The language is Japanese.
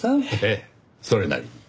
ええそれなりに。